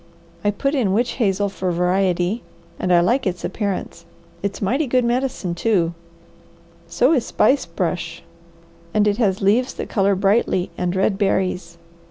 I put in witch hazel for variety, and I like its appearance; it's mighty good medicine, too; so is spice brush, and it has leaves that colour brightly, and red berries.